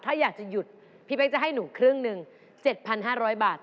ถ้าอยากจะหยุดพี่เป๊กจะให้หนูครึ่งหนึ่ง๗๕๐๐บาท